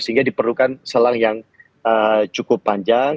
sehingga diperlukan selang yang cukup panjang